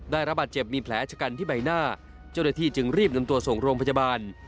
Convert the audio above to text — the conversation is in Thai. ได้รับบาดเจ็บมีแผลชะกันที่ใบหน้าเจ้าหน้าที่จึงรีบนำตัวส่งโรงพยาบาล